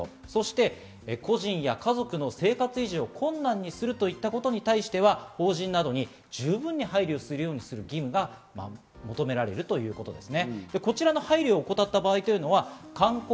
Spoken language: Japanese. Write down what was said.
そして個人や家族の生活維持を困難にするといったことに対しては法人などに十分に配慮するようにする義務が求められるということですね。